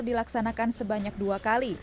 dilaksanakan sebanyak dua kali